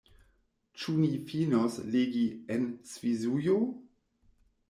Ĉu ni finos legi „En Svisujo“?